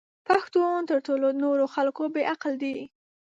پښتون تر ټولو نورو خلکو بې عقل دی!